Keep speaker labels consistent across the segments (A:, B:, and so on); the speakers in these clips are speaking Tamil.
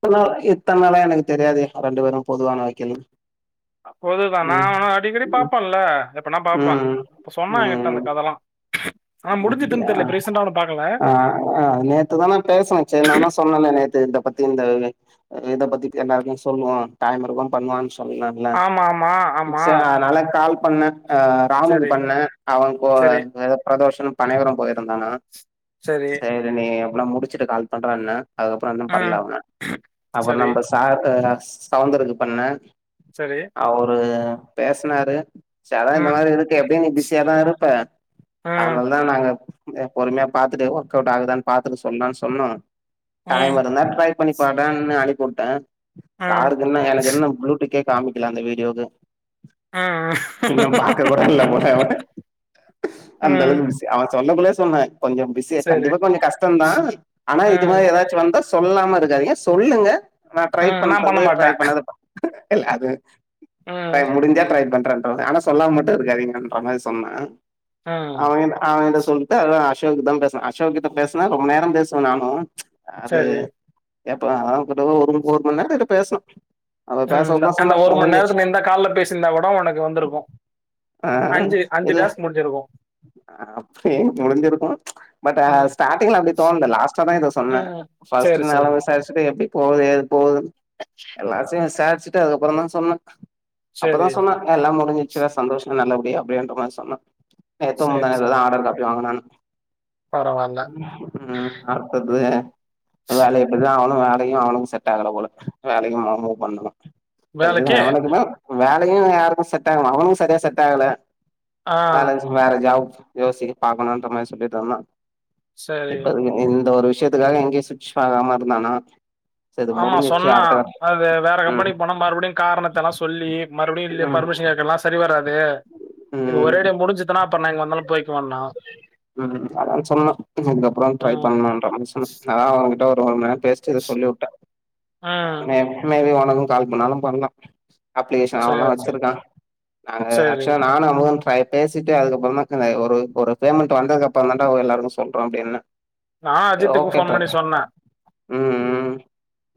A: இத்தன் நாள் இத்தன நாளா எனக்கு தெரியாதே ரெண்டு பேரு பொதுவான வக்கில்னு
B: அ பொதுதா நா அவன அடிக்கடி
A: ம்
B: பாப்பன்ல எப்பனா பாப்ப
A: ம்
B: அப்ப சொன்னா எங்கிட்ட அந்த
A: ம்
B: கதலா ஆ
A: அப்டியா
B: முடிஞ்சுட்டுன் தெரில இப்ப ரீசன்டா அவன பாக்கல
A: ஆ ஆ நேத்துதான பேசணச்சே நாந்தா சொன்னன்ல நேத்து இத பத்தி இந்த இத இத பத்தி எல்லார்ட்டயு சொல்லுவோ டைம் இருக்கு பண்ணுவான்னு சொ சொன்னன்ல
B: ஆமா ஆமா ஆமா
A: சே அதனால கால் பண்ண அ தாமுக்கு
B: சரி
A: பண்ணே அவ கோ
B: சரி
A: பிரதோஷன்னு பனைவர போயிருந்தானா
B: சரி
A: நீ அப்னா முடிச்சுட்டு கால் பண்றன்ன அதுக்கப்புறோ இன்னு பண்ல
B: ம்
A: அவ அப்புறோ
B: சரி
A: நம்பஸ் சாகர் அ சவுந்தருக்கு பண்ணே
B: சரி
A: அவரு பேசனாரு செல இந்த
B: ம்
A: மாரி இருக்கு எப்டியு நீ பிஸியாதா இருப்ப
B: ம்
A: அதனாலதா நாங்க பொறுமையா பாத்துட்டு ஒர்க் அவுட் ஆகுதான் பாத்துட்டு சொல்லலான் சொன்னோ டைம்
B: ம்
A: இருந்தா ட்ரை பண்ணி பாருடானு அனுப்பி உட்டே
B: ம்
A: சாருக்கு இன்னு எனக்கு என்ன ஃப்ளூட் கேக் காமிக்கல அந்த வீடியோக்கு
B: ம்
A: இன்னு பாக்க கூட இல்ல போல அவே அந்த
B: ம்
A: அளவுக்கு பிஸி அவ சொல்லக்குள்ளே சொன்னே கொஞ்சோ பிஸி
B: சரி
A: கண்டிப்பா கொஞ்சோ கஷ்டோந்தா ஆனா இது மாரி
B: ம்
A: எதாச்சி வந்தா சொல்லாம இருக்காதிங்க சொல்லுங்க நா ட்ரை
B: ம் நான் பண்ண
A: பண்றது ட்ரை
B: மாட்டேன்
A: பண்ணாது ப இல்ல அது
B: ம்
A: ட்ரை முடிஞ்சா ட்ரை பண்றன் ஆனா சொல்லாம மட்டு இருக்காதிங்கன்ற மாரி சொன்னா
B: ம்
A: அவங்கிட்ட அவங்கிட்ட சொல்ட்டு அதா அசோக்தா பேசுனா அசோக்கிட்ட பேசுனா ரொம்ப நேர பேசுவே நானு அது
B: சரி
A: ஏப்பா அவங்கிட்டலா ஒரு ஒரு மண் நேர கிட்ட பேசுனோ அவ
B: ம்
A: பேசறதா
B: அந்த
A: சொன்னா
B: ஒரு மண்
A: முடிஞ்சிச்சு
B: நேரத்துல இந்த கால்ல பேசிருந்தா கூட உனக்கு வந்துருக்கு அஞ்சு அஞ்சு டாஸ்க் முடிஞ்சிருக்கு
A: அப்பிடி முடிஞ்சிருக்கு பட்
B: ம்
A: ஸ்டார்டிங்ல அப்பிடி தோணல லாஸ்டாதா இத சொன்ன
B: ம். சரி,
A: ஃபஸ்டு
B: சரி.
A: நல விசாரிச்சுட்டு எப்பிடி போகுது ஏது போகுதுன் எல்லாத்தையு விசாரிச்சிட்டு அதுக்கப்பறந்தா சொன்ன அப்பதா
B: சரி,
A: சொன்னா ஆ எல்லா முடிஞ்சிச்சுங்க சந்தோஷங்க நல்ல படியா அப்டின்ற மாறி சொன்னா நேத்து
B: சரி,
A: முந்தாநாள்தா
B: சரி.
A: ஆடர் காப்பி வாங்கனானா
B: பரவால்ல
A: உம் அடுத்தது வேல இப்டிதா அவுனு வேலக்கும் அவனுக்கும் செட் ஆகல போல வேலக்கு [unintelligible] மூவ் பண்ணணும் எல்லா
B: வேலைக்கு?
A: எவனுக்குமே வேலயு யாருக்கும் செட் ஆகல அவனுக்கும் சரியா செட் ஆகல
B: ஆ.
A: வேலன்சிங் வேற ஜாப் யோசிக் பாக்கணுன்ற மாறி சொல்லிட்ருந்தா
B: சரி.
A: இப்ப வரைக்கும் இந்த ஒரு விஷயத்துக்காக எங்கயு சுவிச் ஆகாம இருந்தானா சரி
B: ஆமா
A: முடிஞ்சிச்சு
B: சொன்னா
A: அடுத்த கட்ட
B: அது வேற
A: ம்
B: கம்பெனிக்கு போனா மறுபடியு காரணத்த எல்லா சொல்லி மறுபடியு இ
A: ம்
B: பர்மிஷன் கேக்கல்லா சரி வராது இது ஒரே
A: ம்
B: அடியா முடிஞ்சதுன்னா அப்ப நா எங்க வந்தாலு போய்
A: உம் அத்தா சொன்னா இதுக்கப்புறோ ட்ரை
B: ம்.
A: பண்லான்ற மாறி சொன்னா அத்தா அவன்கிட்ட ஒரு ஒரு மண் நேரம் பேசிட்டு இத சொல்லி உட்டே
B: ம்.
A: அவே மே பி உனக்கும் கால் பண்ணாலு பண்லா அப்பிலிகேஷன்
B: சரி,
A: அவந்தா
B: சரி.
A: வச்சிருக்கா நாங்க
B: சரி.
A: ஆக்சுவலா நானும் அவனும் ட்ரை பேசிட்டு அதுக்கப்புறோ தா எங்க ஒரு பேமெண்ட் வந்தது அப்பறோ தான்டா எல்லாருக்கு சொல்றோ அப்டின்னே
B: நா அஜித்துக்கு ஃபோன் பண்ணி சொன்னே
A: உம் உம்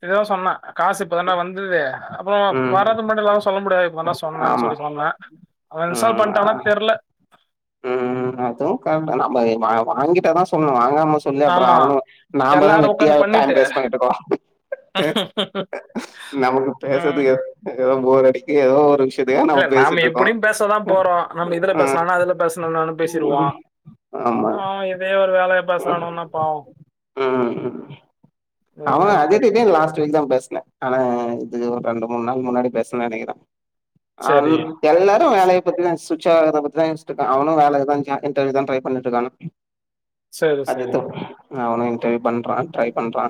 B: இத்தா சொன்னே காசு இப்ப தான்டா வந்தது அப்புறோ
A: ம்
B: வரதுக்கு முன்னாடி எல்லாரும் சொல்ல முடியாது இப்ப தான்டா சொன்னன்னு
A: ஆமா
B: சொல்லி சொன்னே அவ இன்ஸ்ட்டால் பண்ட்டானா தெர்ல
A: உம் உம் அதுவு கரெக்ட் தான்டா நம்ப வாங்கிட்டா தா சொல்ணு வாங்காம சொல்லி அப்றோ
B: ஆமா.
A: அவனும் நாமதா
B: எல்லாரும்
A: வெட்டியா
B: உட்காந்து
A: டைம்
B: பண்ணிட்டு
A: வேஸ்ட் பண்ணிட்ருக்கோம் நமக்கு
B: ம்.
A: பேசதுக்கு எ ஏதோ போர் அடிக்கு ஏதோ ஒரு விஷ்
B: இல்ல நாம்ம எப்டியு பேசதா போறோ நம்ம இதுல
A: ம்
B: பேசுனா என்ன அதுல பேசுனா என்னான்னு பேசி
A: ம்
B: ச்சிருவோ
A: ம் ஆமா
B: ஆ இதயே ஒரு வேலயா பேசறானுங்கன்னா பாவோ
A: அவங்க அஜித் கிட்டயே லாஸ்ட் வீக் தா பேஸ்னா ஆனா இது ஒரு ரெண்டு மூணு நாள் முன்னாடி பேஸ்னேன்னு நெனக்கிறோ ஆ
B: சரி.
A: எல்லாரு வேலய பத்திதா சுஸ்ட்சா ஆகுறத பத்திதா யோசிச்சிட்ருக்கா அவனும் வேலைக்கு தா இன்டர்வியூ க்கு தா ட்ரை பண்ணிட்டு இருக்காங்க
B: சரி, சரி.
A: அஜீத்தும் அவனும் இன்டர்வியூ பண்றா ட்ரை பண்றா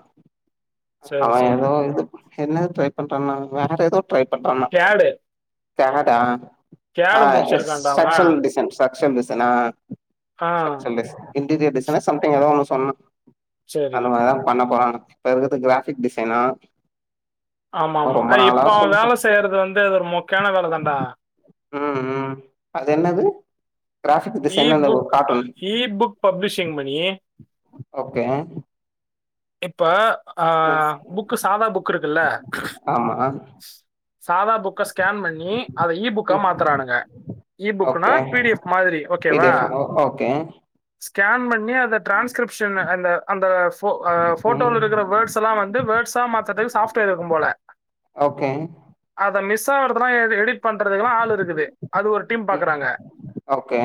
B: சரி,
A: அவன்
B: சரி.
A: ஏதோ இது என்ன ட்ரை பண்றான்ண்ணா வேற ஏதோ ட்ரை பண்றாண்ணா
B: கேடு.
A: தராதா ஆ
B: கேடு
A: எஸ்
B: முடிச்சிருக்கான்டா அவன்.
A: சக்ஷன் டிசைன் சக்ஷன் டிசைனா
B: ஆ.
A: சக்ஷுன் டிசைன் இன்டீரியர் டிசைனா சம்திங் ஏதோ ஒன்னு சொன்னா
B: சரி.
A: அந்த மாறிதா பண்ண போறா இப்ப இருக்கறது கிராஃபிக் டிசைனா
B: ஆமா
A: அவ
B: ஆமா
A: ரொம்ப நாளா
B: இப்ப அவன்
A: சொல்லிட்டு
B: வேல செய்றது வந்து அது ஒரு மொக்கயான வேல தான்டா
A: ம் ம் அது என்னது கிராபிக்
B: இ
A: டிசைன் உள்ள
B: புக்
A: ஒரு cartoon
B: e book publishing
A: okay
B: அ இப்ப ஆ புக்கு சாதா புக் இருக்குல்ல
A: ஆமா
B: சாதா புக்க ஸ்கேன் பண்ணி அத இ புக்கா
A: ம்
B: மாத்தறானுங்க இ புக்குனா
A: ஓகே
B: பி டி எஃப் மாதிரி
A: பி டி
B: ஓக்கேவா
A: எஃப் ஓகே
B: ஸ்கேன் பண்ணி அத டிரான்ஸ்கிரிப்ஷன் அந்த அந்த ஃபோ ஹ
A: ம்
B: ஃபோட்டோல இருக்கிற வேர்ட்ஸ் எல்லா வந்து வேர்ட்ஸ் சா மாத்தறதுக்கு சாஃப்ட்வேர் இருக்கும் போல
A: ஓகே
B: அத மிஸ் த்தா படத்தெல்லா எடிட் பண்றதுக்குல்லா ஆள் இருக்குது அது ஒரு டீம்
A: ம்
B: பாக்குறாங்க
A: ஓகே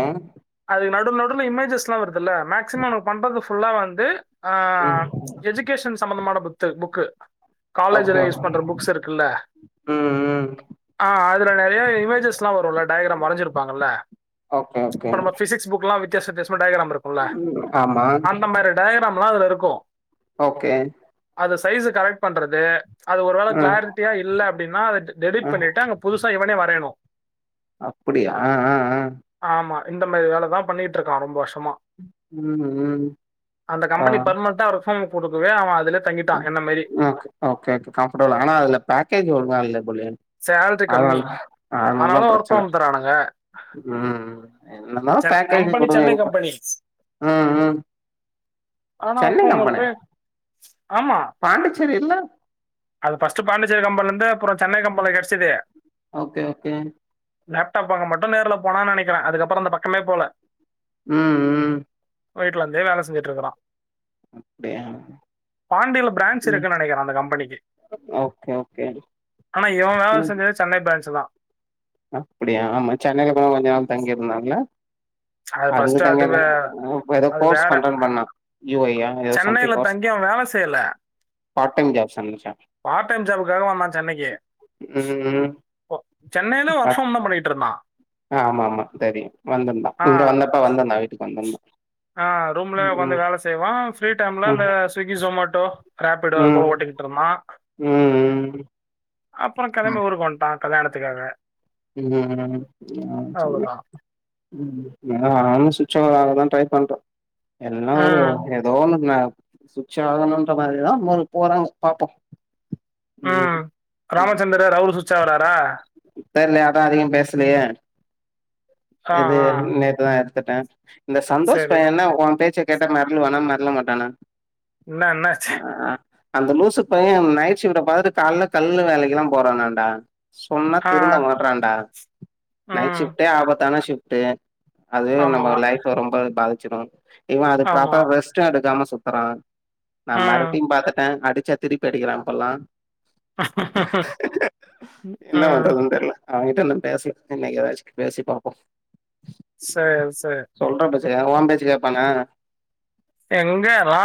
B: அதுக்கு நடுவு நடுவுல இமேஜஸ்லா வருதுல்ல மேக்சிமம் நா பண்றதுக்கு ஃபுல்லா வந்து அ
A: ம்
B: எஜுகேஷன் சம்பந்தமான புத்து புக்கு
A: ஓகே
B: காலேஜ்ல யூஸ்
A: ம்
B: பண்ற புக்ஸ் இருக்குல்ல
A: ம்
B: ஆ அதுல நெறைய இமேஜஸ்லா வரு இல்ல டைகிராம் வரைஞ்சிருப்பாங்கல்ல
A: ஓகே ஓகே
B: இப்ப நம்ம பிசிக்ஸ் புக்கலா வித் யாச வித்தியசமா டைகிராம் இருக்குல்ல
A: ம் ஆமா
B: அந்த மாரி டைகிராம்லா அதுல இருக்கோ
A: ஓகே
B: அது சைஸ்ஸ கரெக்ட் பண்றது அது ஒரு வேல
A: ம்
B: கிளாரி ட்டியா இல்ல அப்டின்னா அத டெலிட்
A: ம்
B: பண்ணிட்டு அங்க புதுசா இவனே வரையனோ
A: அப்படியா அ அ
B: ஆமா இந்த மாரி வேலதா பண்ணிட்டு இருக்கா ரொம்ப வருஷமா
A: ம் ம்
B: அந்த
A: ஆ
B: கம்பனி பர்மன்டா ரிஃபோர்ம் குடுக்கவே அவ அதுல தங்கிட்டான்
A: ம்
B: என்ன மாதிரி
A: ஓகே ஓகே கே கம்ஃபர்ட்டபுள் ஆனா அதுல பேக்கேஜ் ஒழுங்கா இல்ல போலயே
B: சேலரி
A: அதனால
B: கம்மி
A: அதனால தா
B: ஆனாலும் ஒர்க்
A: பிரச்சன
B: ஃப்ரம் தரானுங்க
A: ம் என்னன்னா
B: சென்
A: பேக்கேஜு
B: கம்பெனி
A: குடுங்க
B: சென்னை கம்பெனி
A: ம் ம்
B: ஆனா [unintelligible] ஆமா
A: பாண்டிச்சேரில்ல
B: அது ஃபர்ஸ்ட்டு பாண்டிச்சேரி கம்பனில இருந்து அப்றோ சென்னை கம்பனில கெடச்சது
A: ஓகே ஓகே
B: லேப்டாப் வாங்க மட்டோ நேர்ல போனா நெனைக்கிற அதுக்கப்புறோ அந்தப் பக்கமே போல
A: ம் ம்
B: வீட்லருந்தே வேல செஞ்சுட்டு இருக்கறா
A: அப்டியா
B: பாண்டில பிரான்ச்
A: ம்
B: இருக்கு நெனைக்கிற அந்த கம்பனிக்கு
A: ஓகே ஓகே
B: ஆனா இவ வேல செஞ்சது சென்னை பிரான்ச்சு தா
A: அப்படியா ஆமா சென்னைல கூட ஆமா கொஞ்ச நாள் தங்கியிருந்தால்ல
B: அது
A: அதுக்கு
B: ஃபர்ஸ்ட்
A: தா
B: அது
A: கேட்ட
B: வே-
A: ஏதோ
B: அது
A: கோர்ஸ்
B: வேற
A: பண்றன் பண்ணா யு வொய்யா ஏதோ சம்திங் கோர்ஸ்
B: புரியல
A: பார்ட் டைம் ஜாப் சொன்னுச்சா
B: பார்ட் டைம் ஜாப்புக்காக வந்தா சென்னைக்கு
A: ம்
B: ஓ சென்னைல ஒர்க் ஃப்ரம் தா பண்ணிகிட்டுருந்தா
A: அ ஆமா ஆமா தெரியு வந்துருந்தா இங்க வந்தப்ப வந்துருந்தா வீட்டுக்கு வந்
B: அ ரூம்ல வொக்காந்து வேல செய்வா ஃப்ரீ டைம்ல அந்த ஸ்விக்கி சொமொட்டோ ரேப்பிட்டோ அது போக
A: ம்
B: ஓட்டிகிட்டு இருந்தா
A: ம் ம்
B: அப்பறோ கெளம்பி ஊருக்கு வந்ட்டா கல்யாணத்துக்காக
A: ம் ம் அ சொன்னா
B: அவ்வளவுதான்
A: ம் நானு சுட்ச் [unintelligible] தா ட்ரை பண்ற எல்லா ஒரு
B: ம்
A: ஏதோ ஒன்னுக்னா சுட்ச் ஆகணுன்ற மாரிதா போது போறாங்கோ பாப்போ
B: ம் ராமச்சந்தரர் அவுரு சுச்சாவராரா
A: தெர்லையே அதா அதிகோ பேசலையே
B: ஆ
A: இது
B: ஆ
A: நேத்துதா எடுத்துட்ட இந்த சந்தோஷ்
B: சரி
A: பைய என்ன ஒ பேச்ச கேட்டா மெரளுவானா மெரள மாட்டானா
B: என்ன என்னாச்சு
A: அ அ அந்த லூசுப் பைய நைட் ஷிஃப்ட்ட பாத்துட்டு கால்ல கல்லு வேலைக்குல்லா போறானான்டா சொன்னா
B: ஆ
A: திருந்த மாட்றாண்டா நைட்
B: ம்
A: ஷிஃப்ட்டே ஆபத்தான ஷிஃப்ட்டு அதுவே
B: ஆமா
A: நம்ம லைஃப் ரொம்ப பாதிச்சிடு இவ அது
B: ஆமா
A: ப்ராப்பரா ரெஸ்ட்டு எடுக்காம சுத்தறா நா
B: ம்
A: மெரட்டியும் பாத்துட்டே அடிச்சா திருப்பி அடிக்கிறா இப்பல்லா என்ன
B: ம்
A: பண்றதுன் தெர்ல அவங்கிட்ட இன்னும் பேச்ல இன்னைகி எதாச்சு பேசி பாப்போ
B: சேர் சே
A: சொல்ற பேச்ச கே ஓம் பேச்ச கேப்பானா
B: எங்க ரா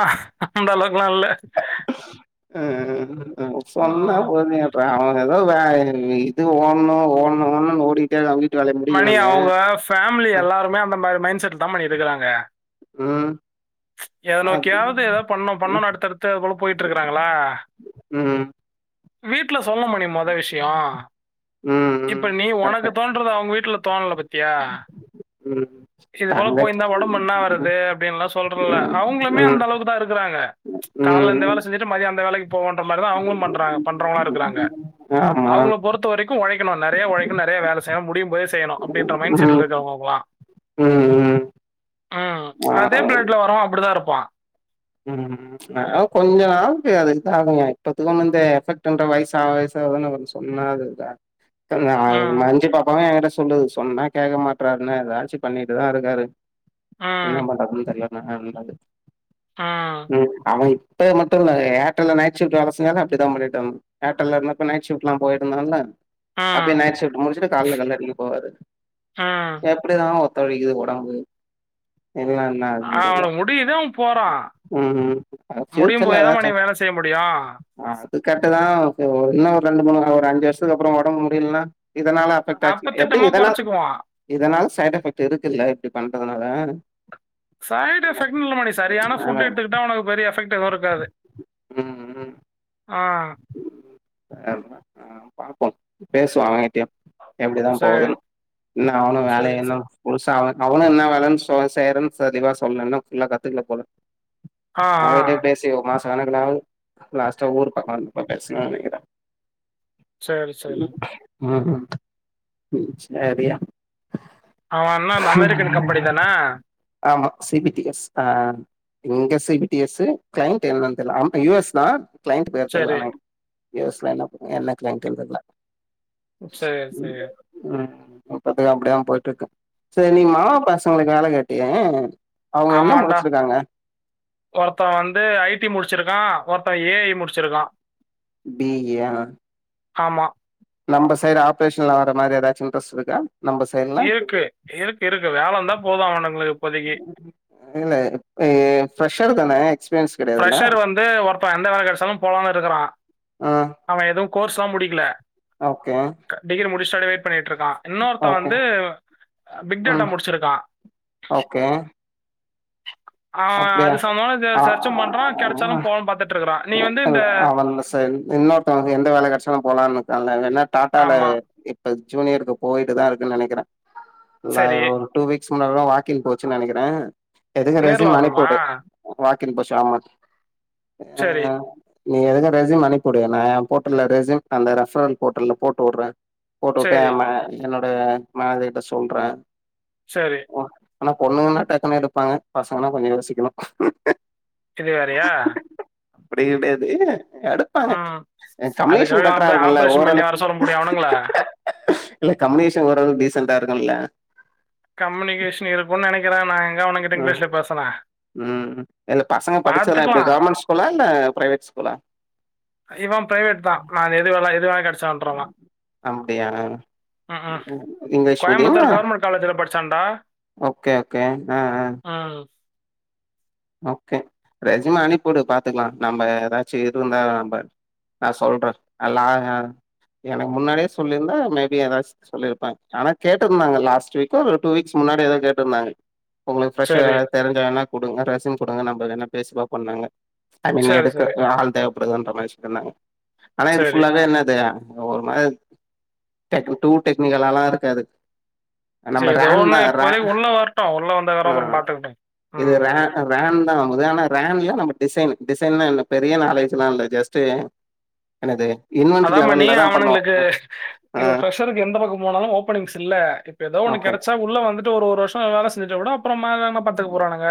B: அந்தளவுக்குலா இல்ல
A: ம் ம்
B: ஆ
A: சொன்னா போதுயப் ட்ர அவெ எதா வே இது ஓன்னு ஓன்னு ஓன்னுன் ஓடிகிட்டே [unintelligible]
B: மணி அவுங்க ஃபேமிலி எல்லாருமே அந்த மாரி மைண்ட் செட்லுதா மணி இருகுறாங்க
A: ம்
B: எத
A: அது
B: நோக்கியாவது எதாவ் பண்ணு
A: ம்
B: பண்ணுனு அடுத்தடுத்து அது போல போயிட்டுருகறாங்களா
A: ம்
B: வீட்ல சொல்ல மணி மொத விஷ்யோ
A: ம்
B: இப்ப நீ
A: கரெக்டா
B: ஒனக்கு தோன்றத அவுங்க வீட் ட்ல தோண்ல பத்தியா
A: ம்
B: இது போல
A: தங்கச்சி
B: போயிந்தா ஒடம்பு
A: ம்
B: என்னாவரது அப்பிடின்லா சொல்றல்ல
A: ம்
B: அவுங்குளுமே
A: ம்
B: அந்தளவுக்குதா இருகுறாங்க கால்ல இந்த
A: ம்
B: வேல செஞ்சுட்டு மதியோ அந்த வேலைகு போவோன்ற மார்தா அவுங்குளும் பண்றாங்க பண்றவுங்ளாருகுறாங்க
A: ஆமா
B: அவுங்ள பொறுத்த வரைக்கு ஒழைக்குணு நெறைய ஒழைக்குன் நெறைய வேல செய்யணும் முடியும் போதே செய்யுணு அப்டின்ற மைண்ட் செட்ல
A: ம்
B: இருக்கவுங்க அவுங்குளா
A: ம் ம்
B: ம் அதே
A: ஆ,
B: ப்ளட்ல் வரவெ அப்டிதா இருப்பா
A: ம் அதலாக் கொஞ்சோ நாள்க்கி அது இதாங்குங்க இப்பத்துக்கும் இந்த எஃபெக்ட் ரெண்டு வயசாவ வயசாவதான வருன்ச் ஒன்னாதுங்க்கா த்தன்னா
B: ம்
A: மஞ்சி பாப்பாவு எங்கிட்ட சொல்லுது சொன்னா கேக்க மாட்றாருன்னு எதாச்சு பண்ணிட்டுதா இருகாரு
B: ம்
A: என்னா பண்றதுன் தெர்லண்ணான்றாரு
B: ம்
A: ம் அவெ இப்ப மட்டுல்ல ஏர்ட்டெல்ல நைட் ஷிஃப்ட்டு வேல செஞ்சால்ல அப்டிதாம் பண்ணிட்ருந் ஏர்ட்டெல்ல இருந்தப்ப நைட் ஷிஃப்ட்லாம் போயிட்டுந்தால்ல
B: ஆ
A: அப்பியே நைட் ஷிஃப்ட்டு முடிச்சுட்டு கால்ல கள்ளடிக்க போவாரு
B: ஆ
A: எப்பிடிதா ஒத்துழைகிது ஒடம்பு எங்குளுலா என்ன இருகுன் தெர்ல
B: டியுது அவம் போறா
A: ம்.
B: முடியும்
A: ஃப்யூச்சர்ல
B: போயேதா
A: ஏதாச்சும்
B: மணி வேல செய்ய முடியு
A: அது கர்ட்டுதா இது ஒ இன்னு ஒரு ரெண்டு மூனு ஒரு அஞ்சு வருஷத்துகப்புறோ ஒடம்பு முடில்னா இதனால அப் கட்டாச்சுனா
B: அப்ப
A: எப்டி
B: திட்டமா
A: இதனால்
B: கொறச்சுக்குவான்.
A: இதனால சைட் எஃபெக்ட் இருக்குல்ல இப்டி பண்றதனால
B: சைடு எஃபக்ட்டுன் இல்ல மணி சரியான
A: ஆமா.
B: ஃபுட்டு எட்த்துகிட்டா ஒனகு பெரிய எஃபெக்ட் ட்டு எது இருக்காது
A: ம், ம்.
B: ஆ
A: [unintelligible] பாப்போம் பேசுவோ அவங்கிட்டியு எப்டிதாம்
B: சரி,
A: போவுதுன்னு இன்னு அவுனு
B: சரி,
A: வேலய இன்னு
B: சரி.
A: முழுசா அவெ அவனு என்னா வேலன் சொ செய்றன் சளிவா சொல்ல இன்னு ஃபுல்லா கத்துக்ல போல
B: ஆ ஆ
A: அவகிட்ட பேசி ஒரு மாசோ கணகுல ஆவுது லாஸ்ட்டா ஊருப்பக்கோ வந்தப்ப பேச்னே நெனைகிறே
B: சரி, சரி.
A: ம் ம் ம் ம் செரியா
B: அவெ என்ன அந்த அமெரிக்கன் கம்பெனிதானே
A: ஆமா சி பி டி எஸ் அ இங்க C P T S client என்னன் தெர்ல அம்ப்ப யூ எஸ் தான் கிளைண்ட்டு பே தெர்ல
B: சரி,
A: அனைங் யு எஸ்ல என்னப் என்ன கிளைண்ட்டுன் தெர்ல
B: ம் சேர் சே
A: ம் ம் இப்பத்துகு அப்டிதாம் போயிட்ருக்கு சேர் நீ மாமா பசங்ளுகு வேல கேட்டியே அவங்க என்ன
B: ஆமாண்டா
A: முடிச்சிருக்காங்க
B: ஒருத்தன் வந்து ஐ டி முடிச்சுருக்கான் ஒருத்தன் ஏ ஐ முடிச்சுருக்கான்
A: டி இ ஆ
B: ஆமா
A: நம் சைடு ஆபரேஷன்ல வர மாதிரி எதாச்சும் இண்ட்ரஸ் இருக்கா நம்ப
B: இருக்கு இருக்குருக்கு வேலந்தா போதும் அவனுங்களுக்கு இப்போதைக்கு
A: இல்ல இப்ப ஃப்ரெஷ்ஷர் தான எக்ஸ்பீரியன்ஸ் கெடையாதுல்ல
B: ஃப்ரெஷ்ஷர் வந்து ஒருத்தன் எந்த வேல கெடைச்சாலும் போலாம்னுருக்குறான்
A: ஆ
B: அவன் எதுவும் கோர்ஸ்லா முடிக்ல
A: ஓகே
B: க டிகிரி முடிச்சுட்டு அப்டியே வெயிட் பண்ணிட்ருக்கான் இன்னொருத்த
A: ஓகே
B: வந்து பிக்டேட்டா
A: ம்
B: முடிச்சிர்க்கா
A: ஓகே
B: அவன்
A: அப்டியா
B: அது சம்பந்தமா
A: ஆ
B: சர்ச்சூ பண்றா கெடச்சாலூ போன்னு பாத்துட்டு இருக்கறா நீ வந்து இந்த
A: ஆம சார் இன்னொருத்தவங்க எந்த வேல கெடச்சாலு போலானுக்கா ஏனா டாட்டால
B: ஆமா.
A: இப்ப ஜூனியருக்கு போயிட்டு தா இருக்குன்னு நெனைக்கிறே நா
B: சரி.
A: [inaudible] டூ வீக்ஸ் முன்னாடிதா வாக்கின் போச்சு நெனக்கிறே
B: நேர்ல வரணுமா
A: வாக்கின் போச்சி ஆமா
B: சரி,
A: அ நீ வந்து ரெசூம் அனுப்பி வுடு நா ஏ போர்டல ரெசூம் அந்த ரெஃபரல் போர்ட்டல போட்டு வுட்றே போட்டு வுட்டு
B: சரி,
A: என் ம என்னோட மேனேஜர் கிட்ட சொல்றே
B: சரி
A: ஓ ஆனா பொண்ணுங்கன்னா டக்குனு எடுப்பாங்க பசங்கனா கொஞ்ச யோசிக்கணு
B: இது வேறயா
A: அப்டி கெடையாது எடு ப்பாங்க
B: ம்.
A: கமின்கேஷே
B: அதுக்காக அவன்
A: பெட்டரா
B: போய்
A: இருக்குல
B: ஆப்ரேஷன் பண்ணி
A: ஓரளக்கு
B: வர சொல்ல முடியும் அவனுங்கள?
A: இல்ல கமினிகேஷன் ஓரளவுக்கு டீசெண்ட்டா இருக்குல்ல
B: கம்யூனிகேஷன் இருக்குன்னு நெனைக்கிற நா எங்க அவனுகிட்டங்க
A: ஆ
B: இங்கிஷ்ல பேசுனே
A: ம் இல்ல பசங்க படிச்சதுதா எப்டி கவர்மெண்ட் ஸ்கூலா இல்ல பிரைவேட் ஸ்கூலா
B: இவன் பிரைவேட் தா நா எது வே எது வேல கெடைச்ச பண்றவ
A: அப்டியா
B: ம் ம்
A: இங்கிலீஷ் மீடியமா
B: கோயம்புத்தூர் கவர்மெண்ட் காலேஜ்ல படிச்சான்டா
A: ஓகே ஓகே ஆ ஆ
B: ம்
A: ஓகே ரெஜிம அனுப்பிடு பாத்க்கலா நம்ம ஏதாச்சு இருந்தா நம்ப நா சொல்றேன் அல்லா எனக்கு முன்னாடியே சொல்லியிருந்தா மேபி எதாச் சொல்லிருப்பே ஆனா கேட்ட இருந்தாங்க லாஸ்ட் வீக்கோ ஒரு டூ வீக்ஸ் முன்னாடி ஏதோ கேட்ருந்தாங்க ஒங்களுக்கு ஃப்ரெஷரர்
B: சரி.
A: யாராது தெரிஞ்சா வேணா குடுங்க ரெசிம் குடுங்க நம்ம வேனா பேசி பாப்போன்னாங்க ஐ மீன்
B: சரி, சரி,
A: எடுக்கர்து ஆள் தேவப்படுதுன்ற மாரி சொன்னாங்க ஆனா இது
B: சரி.
A: ஃபுல்லாவே என்னது ஒரு மாதிரி டேக்கன் டூ டெக்னிக்கலல்லா இருக்காது
B: சரி
A: நம்ம
B: ஏதோ
A: ரேங்
B: ஒண்ணு
A: தா ர
B: இப்போதைக்கு உள்ள வரட்டும். உள்ள வந்ததுக்கப்புறம் அப்புறம்
A: ம்
B: பார்த்துக்கட்டும்.
A: இது
B: ம்.
A: ர ரேன்தா ஆனா ரேன்ல நம்ம டிசைன் டிசைன்லா பெரிய நாலேஜ்லா இல்ல ஜஸ்ட் என்னது இன்
B: அதா மணி அவனுங்களுக்கு
A: ஆ
B: இங்க பிரஷருக்கு எந்த பக்கொ போனாலு ஓபனிங்ஸ்இல்ல இப்ப ஏதோ ஒன்னு
A: ஓகே
B: கெடச்சா உள்ள வந்துட் இன்னு ஒரு ஒரு வருஷோ வேல செஞ்சிட்டா கூட அப்புறமா எதனா பாத்துக்க போறாங்னுங்க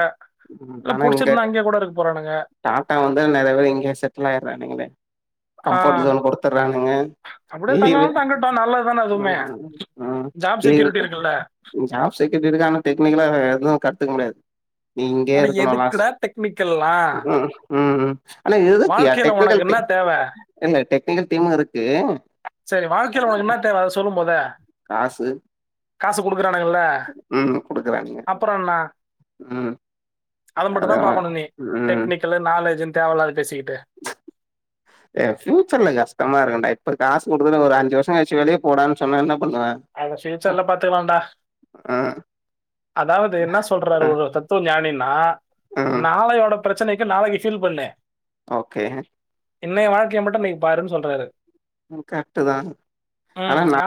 B: இல்ல புடிச்சிருந்தா அங்கே கூட இருக் போறானுங்க
A: டாடா வந்தா நெறைய பேர் இங்கே செட்டில் ஆய்டுறானுங்களே
B: ஆ.
A: கம்ஃபர்ட் ஜோன் குடுத்துட்றானுங்க
B: அப்படியே
A: லீவு
B: தங்கனாலும் தங்கட்டும். நல்லது தானே அதுவுமே.
A: ம்ம் ம்
B: ஜாப்
A: லீவு
B: செக்யூரிட்டி இருக்குல்ல.
A: ஜாப் செக்யுரீட்டி இருக்கு ஆனா டெக்னிக்கலா எது கத்துக்க முடியாது நீ இங்கே
B: ஆனா
A: இருக்குணு
B: எதுக்குடா
A: லாஸ்ட்
B: டெக்னிக்கல்லாம்?
A: ம் ம் ஆனா எதுக்கியா
B: வாழ்க்கையில உனக்கு
A: டெக்னிகல்
B: என்ன
A: டீம்
B: தேவை?
A: இல்ல டெக்னிக்கல் டீமு இருக்கு
B: சரி வாழ்க்கைல ஒனக்கு என்னா தேவ அத சொல்லு மொத
A: காசு
B: காசு குடுக்குறானுங்ள
A: ம் குடுக்குறானுங்க
B: அப்றென்னா
A: ம்
B: அத மட்டுதா
A: அதா
B: பாக்குணு நீ
A: ம்
B: டெக்னிக்கலு நாலேஜுனு தேவையில்லாத பேசிக்கிட்டு
A: ஏ ஃபயூச்சர்ல கஷ்டமா இருக்குண்டா இப்ப காசு குடுக்குது ஒரு அஞ்சு வருஷோ கழிச்சு வெளியே போடான்னு சொன்னோ என்ன பண்ணுவ
B: அத ஃபியூச்சர்ல பாத்துக்கலாண்டா
A: ஆ
B: அதாவுது என்ன சொல்றாரு
A: ஆ
B: ஒரு தத் துவ ஞானின்னா
A: ம்
B: நாளையோட பிரச்சனைக்கு நாளைக்கு ஃபீல் பண்ணு
A: ஓகே
B: இன்னைய வாழ்க்கைய மட்டு இன்னக்கீ பாருனு சொல்றாரு
A: ம் கரெக்ட் தா ஆனா
B: ம்
A: நா